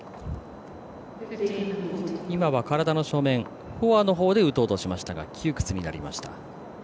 体の正面、フォアのほうで打とうとしましたが窮屈になりました。